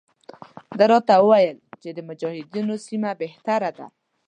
ده راته وویل چې د مجاهدینو سیمه بهتره ده.